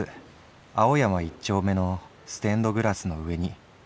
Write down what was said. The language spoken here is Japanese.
青山一丁目のステンドグラスの上にぼくの手描き。